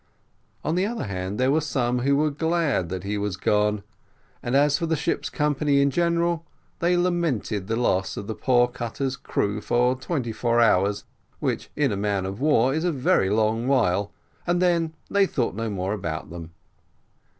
On the other hand, there were some who were glad that he was gone; and as for the ship's company in general, they lamented the loss of the poor cutter's crew for twenty four hours, which, in a man of war, is a very long while, and then they thought no more about them.